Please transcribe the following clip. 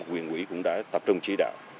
quyền quỹ cũng đã tập trung chỉ đạo